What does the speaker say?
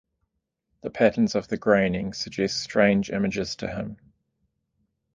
The patterns of the graining suggested strange images to him.